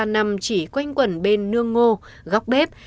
một trăm linh ba năm chỉ quanh quẩn bên nương ngô góc bếp